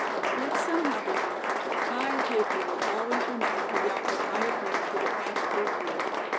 Yet somehow, Bianca, I hope you will always remain the Bianca I have known for the past three years.